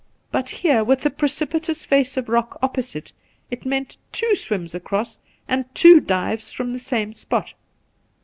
But here, with the precipitous face of rock opposite, it meant two swims across and two dives from the same spot.